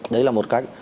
đấy là một cách